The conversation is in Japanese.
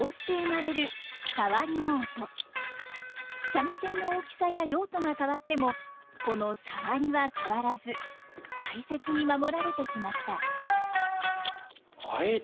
三味線の大きさや用途が変わってもこのサワリは変わらず大切に守られてきました。